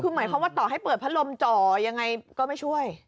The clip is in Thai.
คือหมายความว่าต่อให้เปิดพัดลมจ่อยังไงก็ไม่ช่วย